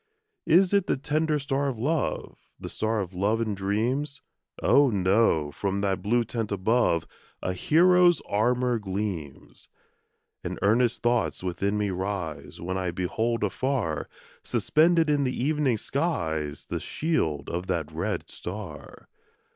Is it the tender star of love? The star of love and dreams? Oh, no! from that blue tent above, A hero's armour gleams. And earnest thoughts within me rise, When I behold afar, Suspended in the evening skies The shield of that red star.